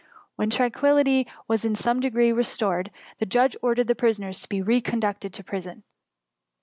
When tranquillity was in some degree re stored, the judge ordered the prisoners to be re conducted to prison.